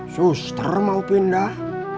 suster mau pindah